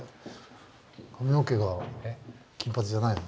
髪の毛が金髪じゃないの？